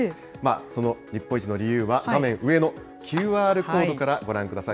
その日本一の理由は画面上のＱＲコードからご覧ください。